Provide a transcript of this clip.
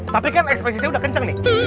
tapi kan ekspresisi udah kenceng nih